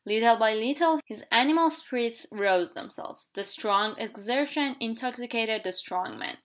Little by little his animal spirits roused themselves. The strong exertion intoxicated the strong man.